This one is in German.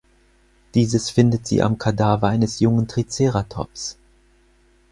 Dieses findet sie am Kadaver eines jungen Triceratops.